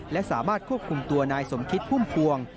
และสามารถควบคุมตัวนายสมคิดพุ่มพวง